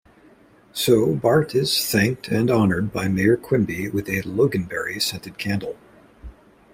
So, Bart is thanked and honored by Mayor Quimby with a loganberry scented candle.